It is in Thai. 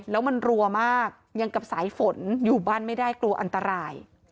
แล้วมันรัวมากยังกับสายฝนอยู่บ้านไม่ได้กลัวอันตราย